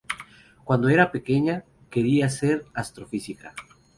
Cuando era pequeña, quería ser astrofísica.